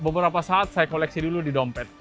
beberapa saat saya koleksi dulu di dompet